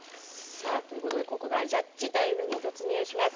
さあということでここからジャッジタイムに突入します。